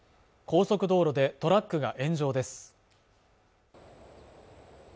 高速道路でトラックが炎上です